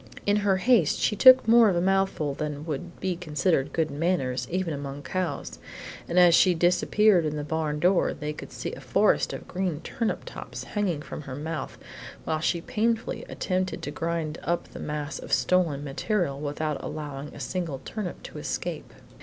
In her haste she took more of a mouthful than would be considered good manners even among cows, and as she disappeared in the barn door they could see a forest of green tops hanging from her mouth, while she painfully attempted to grind up the mass of stolen material without allowing a single turnip to escape.